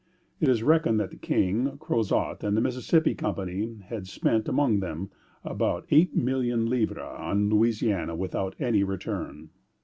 It is reckoned that the King, Crozat, and the Mississippi Company had spent among them about eight million livres on Louisiana, without any return.